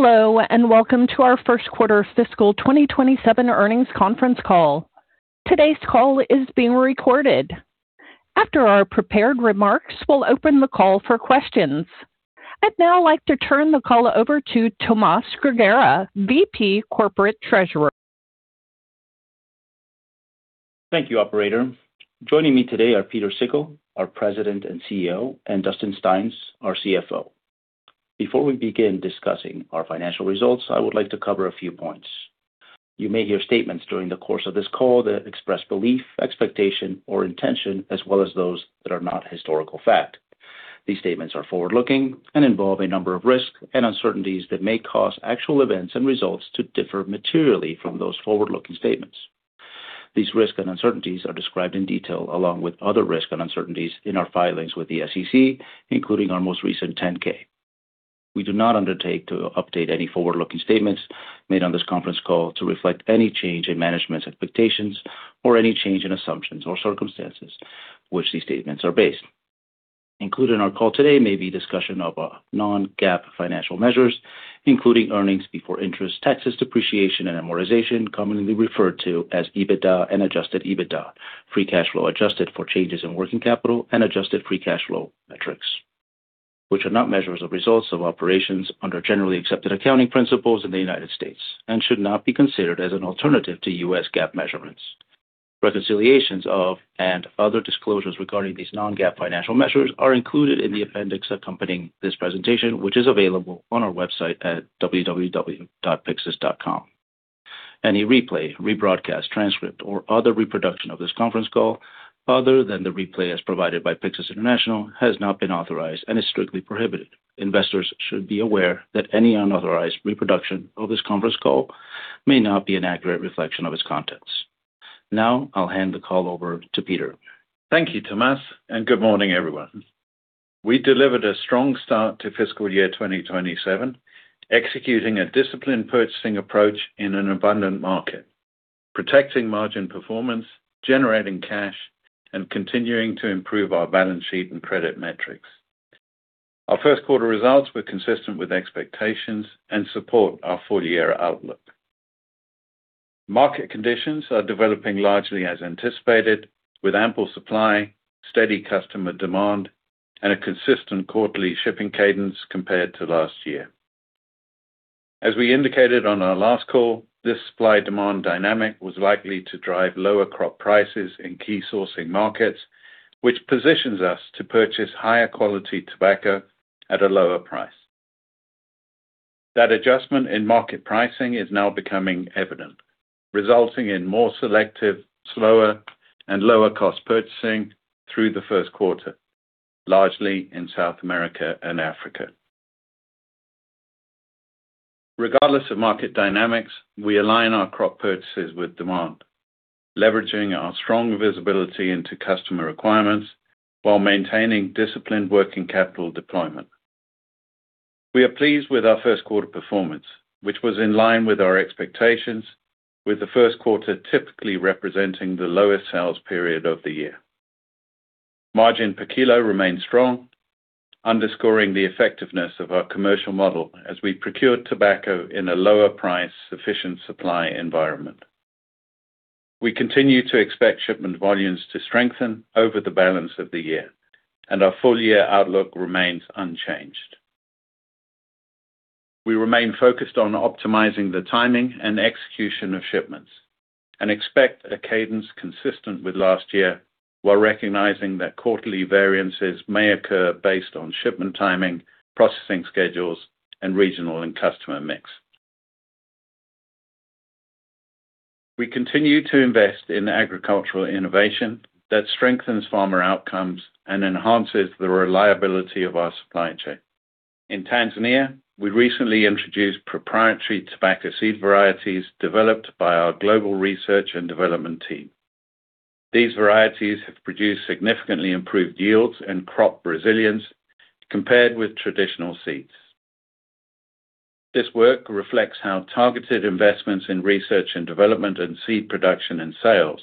Hello, welcome to our first quarter fiscal 2027 earnings conference call. Today's call is being recorded. After our prepared remarks, we'll open the call for questions. I'd now like to turn the call over to Tomas Grigera, VP Corporate Treasurer. Thank you, operator. Joining me today are Pieter Sikkel, our President and CEO, and Dustin Styons, our CFO. Before we begin discussing our financial results, I would like to cover a few points. You may hear statements during the course of this call that express belief, expectation, or intention, as well as those that are not historical fact. These statements are forward-looking and involve a number of risks and uncertainties that may cause actual events and results to differ materially from those forward-looking statements. These risks and uncertainties are described in detail along with other risks and uncertainties in our filings with the SEC, including our most recent 10-K. We do not undertake to update any forward-looking statements made on this conference call to reflect any change in management's expectations or any change in assumptions or circumstances which these statements are based. Included in our call today may be discussion of non-GAAP financial measures, including earnings before interest, taxes, depreciation, and amortization, commonly referred to as EBITDA and adjusted EBITDA, free cash flow adjusted for changes in working capital and adjusted free cash flow metrics, which are not measures of results of operations under generally accepted accounting principles in the United States and should not be considered as an alternative to U.S. GAAP measurements. Reconciliations of and other disclosures regarding these non-GAAP financial measures are included in the appendix accompanying this presentation, which is available on our website at www.pyxus.com. Any replay, rebroadcast, transcript, or other reproduction of this conference call, other than the replay as provided by Pyxus International, has not been authorized and is strictly prohibited. Investors should be aware that any unauthorized reproduction of this conference call may not be an accurate reflection of its contents. Now, I'll hand the call over to Pieter. Thank you, Tomas, good morning, everyone. We delivered a strong start to fiscal year 2027, executing a disciplined purchasing approach in an abundant market, protecting margin performance, generating cash, continuing to improve our balance sheet and credit metrics. Our first quarter results were consistent with expectations and support our full-year outlook. Market conditions are developing largely as anticipated, with ample supply, steady customer demand, and a consistent quarterly shipping cadence compared to last year. As we indicated on our last call, this supply-demand dynamic was likely to drive lower crop prices in key sourcing markets, which positions us to purchase higher quality tobacco at a lower price. That adjustment in market pricing is now becoming evident, resulting in more selective, slower, and lower-cost purchasing through the first quarter, largely in South America and Africa. Regardless of market dynamics, we align our crop purchases with demand, leveraging our strong visibility into customer requirements while maintaining disciplined working capital deployment. We are pleased with our first quarter performance, which was in line with our expectations, with the first quarter typically representing the lowest sales period of the year. Margin per kilo remains strong, underscoring the effectiveness of our commercial model as we procure tobacco in a lower price, sufficient supply environment. We continue to expect shipment volumes to strengthen over the balance of the year, our full-year outlook remains unchanged. We remain focused on optimizing the timing and execution of shipments and expect a cadence consistent with last year while recognizing that quarterly variances may occur based on shipment timing, processing schedules, and regional and customer mix. We continue to invest in agricultural innovation that strengthens farmer outcomes and enhances the reliability of our supply chain. In Tanzania, we recently introduced proprietary tobacco seed varieties developed by our global research and development team. These varieties have produced significantly improved yields and crop resilience compared with traditional seeds. This work reflects how targeted investments in research and development and seed production and sales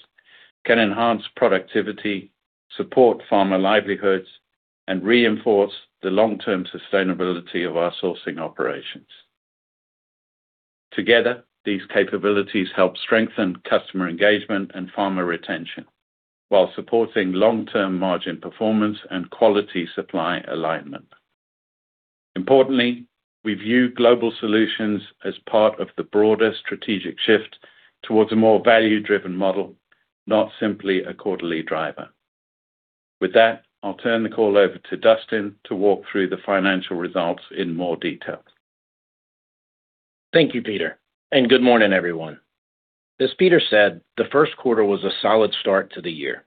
can enhance productivity, support farmer livelihoods, and reinforce the long-term sustainability of our sourcing operations. Together, these capabilities help strengthen customer engagement and farmer retention while supporting long-term margin performance and quality supply alignment. Importantly, we view global solutions as part of the broader strategic shift towards a more value-driven model, not simply a quarterly driver. With that, I'll turn the call over to Dustin to walk through the financial results in more detail. Thank you, Pieter, good morning, everyone. As Pieter said, the first quarter was a solid start to the year.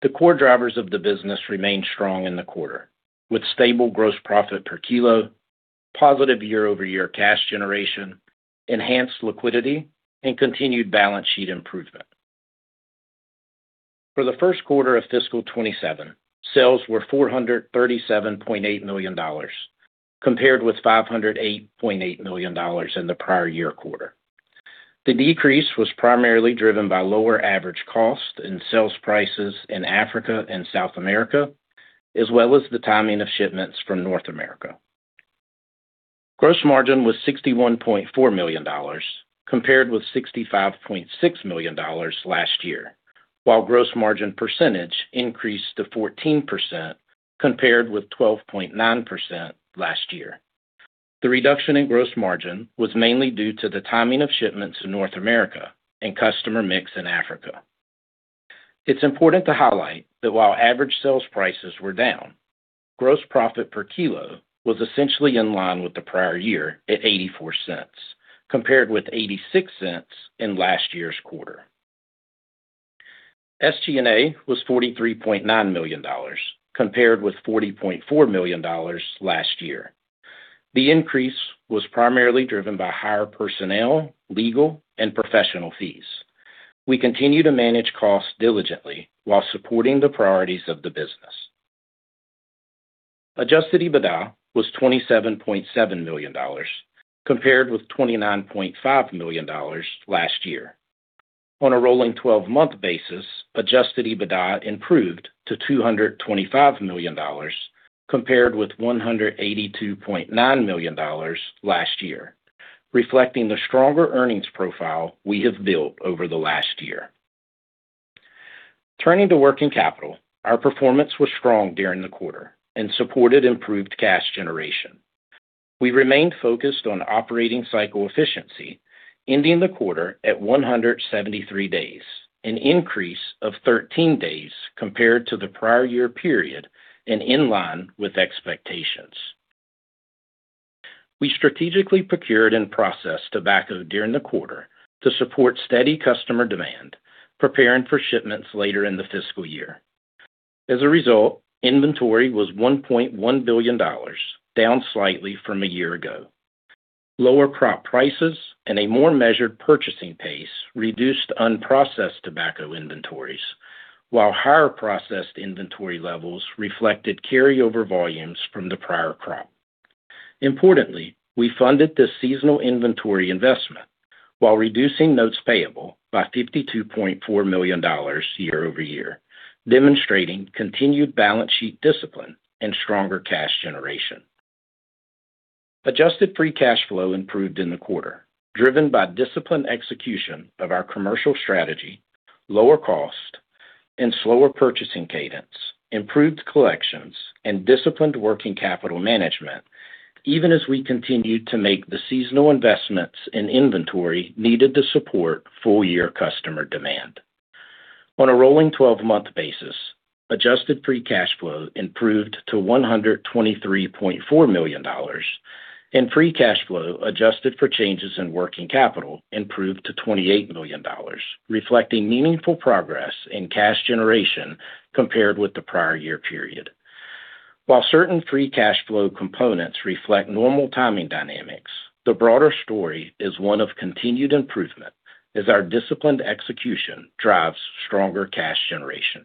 The core drivers of the business remained strong in the quarter, with stable gross profit per kilo, positive year-over-year cash generation, enhanced liquidity, continued balance sheet improvement. For the first quarter of fiscal 2027, sales were $437.8 million, compared with $508.8 million in the prior year quarter. The decrease was primarily driven by lower average cost and sales prices in Africa and South America, as well as the timing of shipments from North America. Gross margin was $61.4 million compared with $65.6 million last year, while gross margin percentage increased to 14% compared with 12.9% last year. The reduction in gross margin was mainly due to the timing of shipments to North America and customer mix in Africa. It's important to highlight that while average sales prices were down, gross profit per kilo was essentially in line with the prior year at $0.84, compared with $0.86 in last year's quarter. SG&A was $43.9 million compared with $40.4 million last year. The increase was primarily driven by higher personnel, legal, and professional fees. We continue to manage costs diligently while supporting the priorities of the business. Adjusted EBITDA was $27.7 million, compared with $29.5 million last year. On a rolling 12-month basis, adjusted EBITDA improved to $225 million compared with $182.9 million last year, reflecting the stronger earnings profile we have built over the last year. Turning to working capital, our performance was strong during the quarter and supported improved cash generation. We remained focused on operating cycle efficiency, ending the quarter at 173 days, an increase of 13 days compared to the prior year period and in line with expectations. We strategically procured and processed tobacco during the quarter to support steady customer demand, preparing for shipments later in the fiscal year. As a result, inventory was $1.1 billion, down slightly from a year ago. Lower crop prices and a more measured purchasing pace reduced unprocessed tobacco inventories, while higher processed inventory levels reflected carryover volumes from the prior crop. Importantly, we funded the seasonal inventory investment while reducing notes payable by $52.4 million year-over-year, demonstrating continued balance sheet discipline and stronger cash generation. Adjusted free cash flow improved in the quarter, driven by disciplined execution of our commercial strategy, lower cost and slower purchasing cadence, improved collections, and disciplined working capital management, even as we continued to make the seasonal investments in inventory needed to support full-year customer demand. On a rolling 12-month basis, adjusted free cash flow improved to $123.4 million, and free cash flow adjusted for changes in working capital improved to $28 million, reflecting meaningful progress in cash generation compared with the prior year period. While certain free cash flow components reflect normal timing dynamics, the broader story is one of continued improvement as our disciplined execution drives stronger cash generation.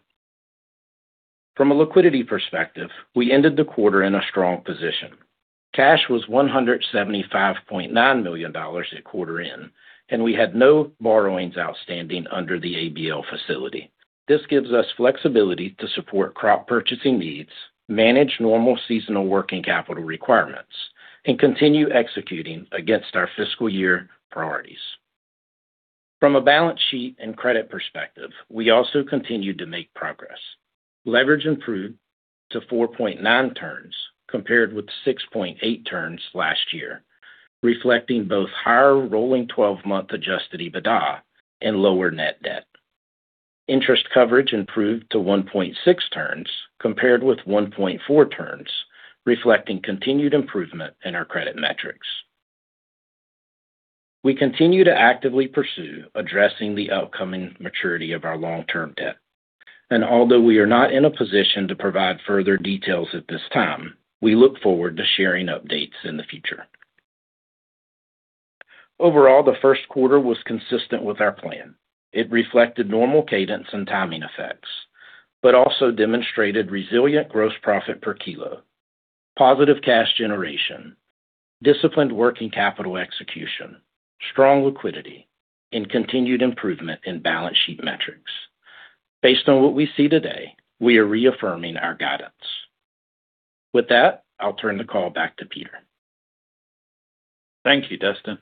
From a liquidity perspective, we ended the quarter in a strong position. Cash was $175.9 million at quarter end, and we had no borrowings outstanding under the ABL facility. This gives us flexibility to support crop purchasing needs, manage normal seasonal working capital requirements, and continue executing against our fiscal year priorities. From a balance sheet and credit perspective, we also continued to make progress. Leverage improved to 4.9 turns, compared with 6.8 turns last year, reflecting both higher rolling 12-month adjusted EBITDA and lower net debt. Interest coverage improved to 1.6 turns compared with 1.4 turns, reflecting continued improvement in our credit metrics. We continue to actively pursue addressing the upcoming maturity of our long-term debt, and although we are not in a position to provide further details at this time, we look forward to sharing updates in the future. Overall, the first quarter was consistent with our plan. It reflected normal cadence and timing effects, but also demonstrated resilient gross profit per kilo, positive cash generation, disciplined working capital execution, strong liquidity, and continued improvement in balance sheet metrics. Based on what we see today, we are reaffirming our guidance. With that, I'll turn the call back to Pieter. Thank you, Dustin.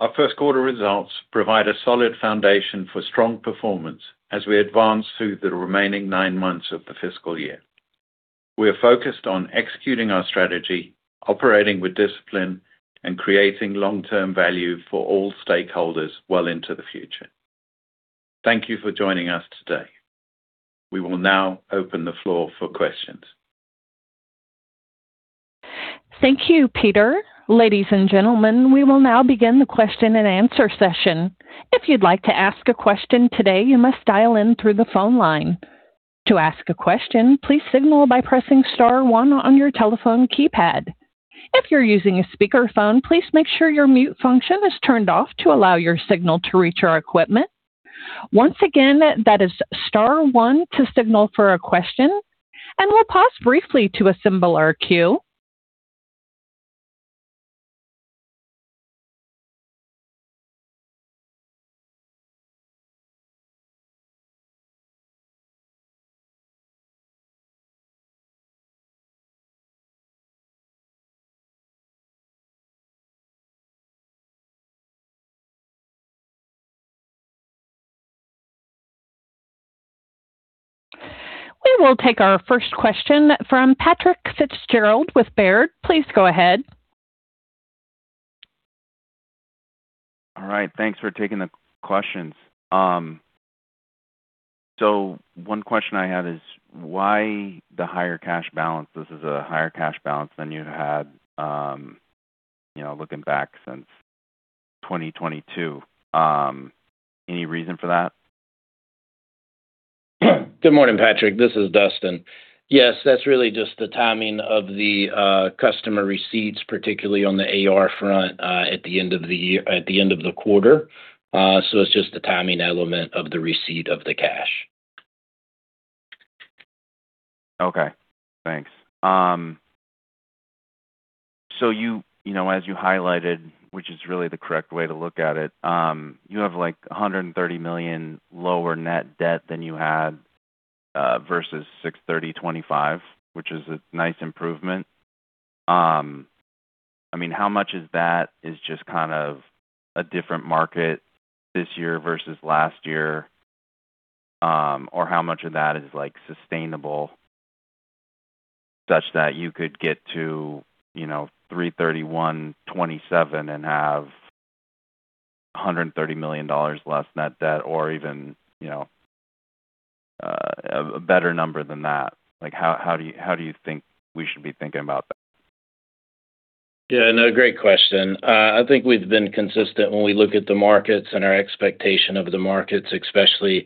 Our first quarter results provide a solid foundation for strong performance as we advance through the remaining nine months of the fiscal year. We are focused on executing our strategy, operating with discipline, and creating long-term value for all stakeholders well into the future. Thank you for joining us today. We will now open the floor for questions. Thank you, Pieter. Ladies and gentlemen, we will now begin the question-and-answer session. If you'd like to ask a question today, you must dial in through the phone line. To ask a question, please signal by pressing star one on your telephone keypad. If you're using a speakerphone, please make sure your mute function is turned off to allow your signal to reach our equipment. Once again, that is star one to signal for a question, and we'll pause briefly to assemble our queue. We will take our first question from Patrick Fitzgerald with Baird. Please go ahead. All right, thanks for taking the questions. One question I have is why the higher cash balance? This is a higher cash balance than you had, looking back since 2022. Any reason for that? Good morning, Patrick. This is Dustin. Yes, that's really just the timing of the customer receipts, particularly on the AR front at the end of the quarter. It's just the timing element of the receipt of the cash. Okay, thanks. As you highlighted, which is really the correct way to look at it, you have $130 million lower net debt than you had versus 6/30/2025, which is a nice improvement. How much of that is just a different market this year versus last year? How much of that is sustainable such that you could get to 3/31/2027 and have $130 million less net debt or even a better number than that. How do you think we should be thinking about that? Yeah, no, great question. I think we've been consistent when we look at the markets and our expectation of the markets, especially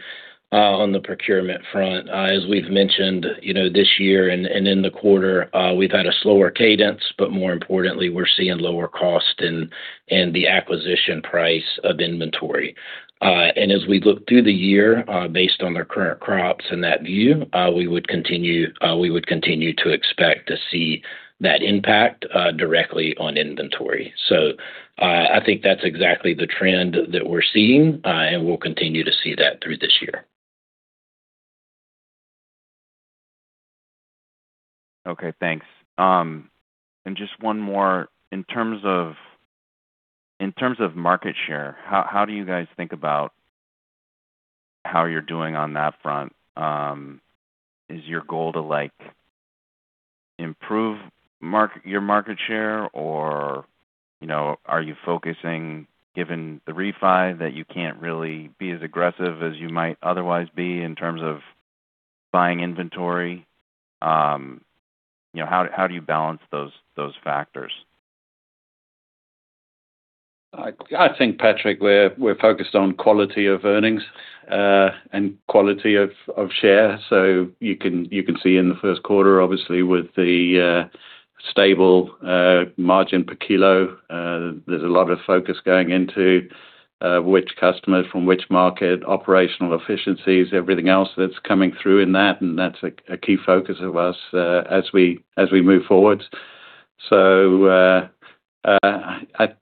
on the procurement front. As we've mentioned, this year and in the quarter, we've had a slower cadence, but more importantly, we're seeing lower cost in the acquisition price of inventory. As we look through the year, based on the current crops and that view, we would continue to expect to see that impact directly on inventory. I think that's exactly the trend that we're seeing, and we'll continue to see that through this year. Okay, thanks. Just one more. In terms of market share, how do you guys think about how you're doing on that front? Is your goal to improve your market share? Are you focusing, given the refi, that you can't really be as aggressive as you might otherwise be in terms of buying inventory? How do you balance those factors? I think, Patrick, we're focused on quality of earnings and quality of share. You can see in the first quarter, obviously, with the stable margin per kilo, there's a lot of focus going into which customer from which market, operational efficiencies, everything else that's coming through in that, and that's a key focus of us as we move forward. At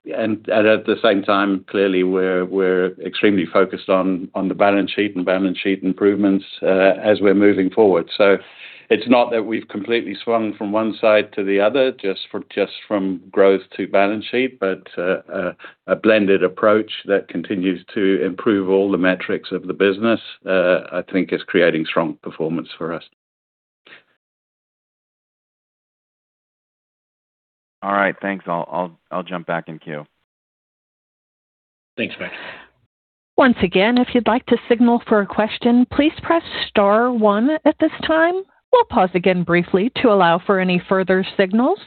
the same time, clearly, we're extremely focused on the balance sheet and balance sheet improvements as we're moving forward. It's not that we've completely swung from one side to the other, just from growth to balance sheet, but a blended approach that continues to improve all the metrics of the business, I think, is creating strong performance for us. All right. Thanks. I'll jump back in queue. Thanks, Patrick. Once again, if you'd like to signal for a question, please press star one at this time. We'll pause again briefly to allow for any further signals.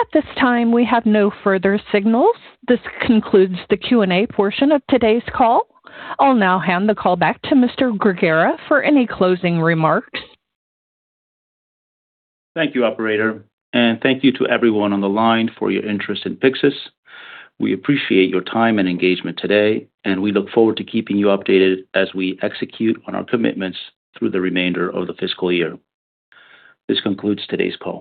At this time, we have no further signals. This concludes the Q&A portion of today's call. I'll now hand the call back to Mr. Grigera for any closing remarks. Thank you, operator. Thank you to everyone on the line for your interest in Pyxus. We appreciate your time and engagement today, and we look forward to keeping you updated as we execute on our commitments through the remainder of the fiscal year. This concludes today's call.